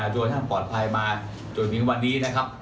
โดยท่านปลอดภัยมาจนถึงวันนี้นะครับ